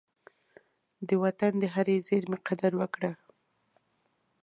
د وطن د هرې زېرمي قدر وکړه.